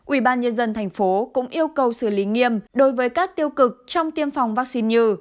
ủy ban nhân dân thành phố cũng yêu cầu xử lý nghiêm đối với các tiêu cực trong tiêm phòng vaccine nh